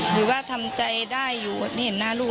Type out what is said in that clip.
หรือว่าทำใจได้อยู่ที่เห็นหน้าลูก